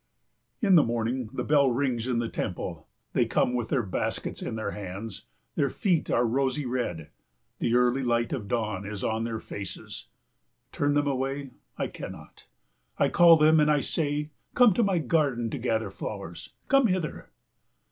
In the morning the bell rings in the temple. They come with their baskets in their hands. Their feet are rosy red. The early light of dawn is on their faces. Turn them away I cannot. I call them and I say, "Come to my garden to gather flowers. Come hither."